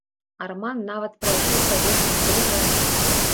Арман нават прайшоў праверку на паліграфе.